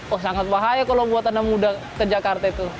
oh sangat bahaya kalau buat anak muda ke jakarta itu